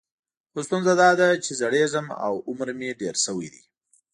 خو ستونزه دا ده چې زړیږم او عمر مې ډېر شوی دی.